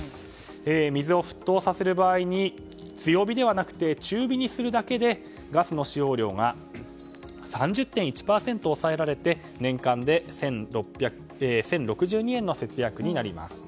水を沸騰させる場合に強火ではなくて中火にするだけでガスの使用量が３０．１％抑えらえて年間で１０６２円の節約になります。